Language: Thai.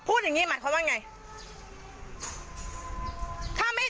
พูดอย่างนี้ใหม่เขาว่าอย่างไร